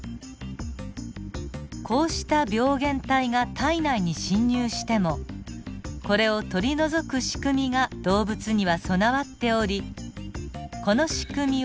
こうした病原体が体内に侵入してもこれを取り除くしくみが動物には備わっておりこのしくみを免疫といいます。